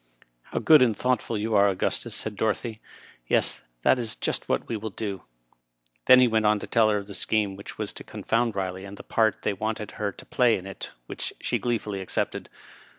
" How good and thoughtful you are, Augustus," said Dorothy. " Yes, that is just what we will do." Then he went on to tell her of the scheme which was to confound Eiley, and of the part they wanted her to play in it, which she gleefully accepted.